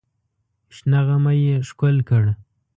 شنه غمی یې ښکل کړ.